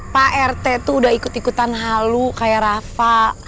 pak rete tuh udah ikut ikutan halu kayak rafa